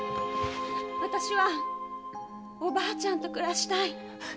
あたしはおばあちゃんと暮らしたい。